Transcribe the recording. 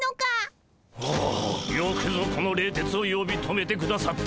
おおよくぞこの冷徹を呼び止めてくださった。